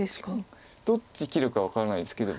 どっち切るか分からないですけど。